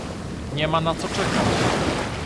Nie ma na co czekać